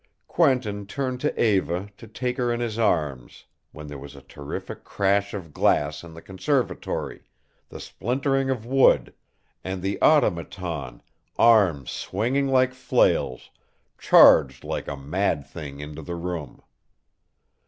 Quentin turned to Eva to take her in his arms when there was a terrific crash of glass in the conservatory, the splintering of wood, and the Automaton, arms swinging like flails, charged like a mad thing into the room.